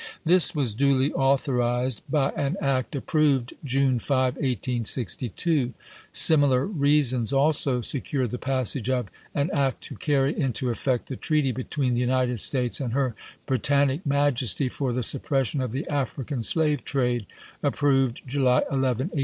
This was duly authorized by an act approved June 5, 1862. Sim ilar reasons also secured the passage of " An act to carry into effect the treaty between the United States and her Britannic Majesty for the suppres sion of the African slave trade," approved July 11, 1862.